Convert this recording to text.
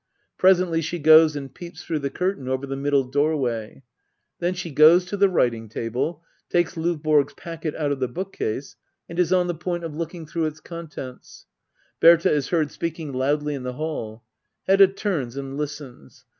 Presently she goes and peeps through the curtain over the middle doorway^ Then she goes to the writing'tabte, takes LdvBORo's packet out of the bookcase, and is on the point oj looking through its contents, Berta is heard speaking loudly in the hall, Hedda tunis and listens.